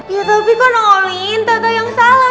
ya tapi kan olin tata yang salah